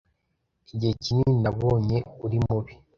igihe kinini nabonye uri mubi